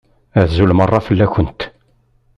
Azul meṛṛa fell-akent!